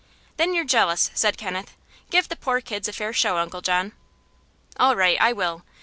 "Then you're jealous," said Kenneth. "Give the poor kids a fair show, Uncle John." "All right, I will.